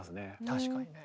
確かにね。